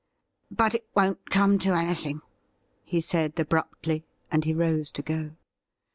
' But it won't come to anything,' he said abruptly, and he rose to go.